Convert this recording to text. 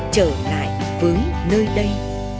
trở lại với nơi đây